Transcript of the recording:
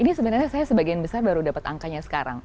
ini sebenarnya saya sebagian besar baru dapat angkanya sekarang